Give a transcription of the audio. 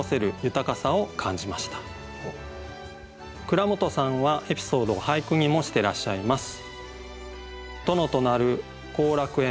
蔵本さんはエピソードを俳句にもしてらっしゃいます。